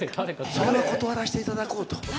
それは断らせていただこうと。